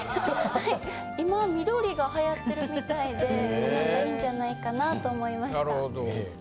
今緑が流行ってるみたいでなんか良いんじゃないかなと思いました。